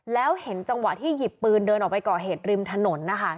แล้วเห็นจังหวะที่หยิบปืนเดินออกไปก่อเหตุริมถนนนะคะ